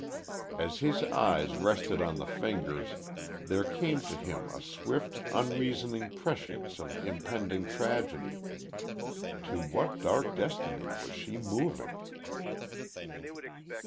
As his eyes rested on the fingers there came to him a swift, unreasoning prescience of impending tragedy. To what dark destiny was she moving?